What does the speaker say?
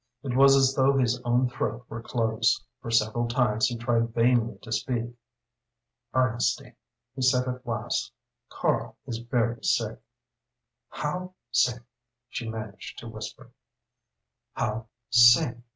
It was as though his own throat were closed, for several times he tried vainly to speak. "Ernestine," he said at last, "Karl is very sick." "How sick?" she managed to whisper. "How sick?"